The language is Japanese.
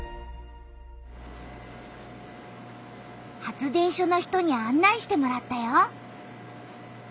発電所の人にあん内してもらったよ。